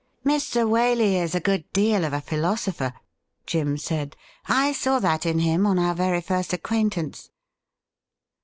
' Mr. Waley is a good deal of a philosopher,' Jim said. ' I saw that in him on our very first acquaintance.'